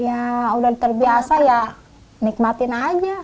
ya udah terbiasa ya nikmatin aja